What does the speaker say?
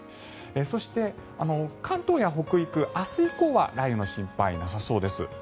そして、関東や北陸明日以降は雷雨の心配なさそうです。